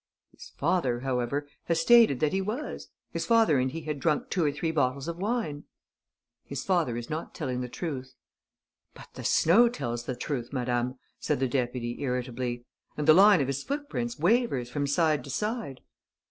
"His father, however, has stated that he was. His father and he had drunk two or three bottles of wine." "His father is not telling the truth." "But the snow tells the truth, madame," said the deputy, irritably. "And the line of his footprints wavers from side to side."